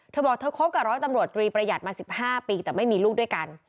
เธอบอกเธอคบกับร้อยตำรวจตรีประหยัดมา๑๕ปีแต่ไม่มีลูกด้วยกัน